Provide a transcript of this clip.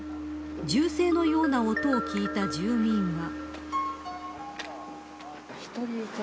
銃声のような音を聞いた住民は。